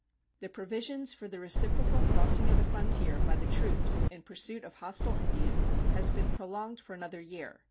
The provisions for the reciprocal crossing of the frontier by the troops in pursuit of hostile Indians have been prolonged for another year.